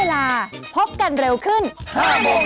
วันนี้ไปกันก่อนสวัสดีครับ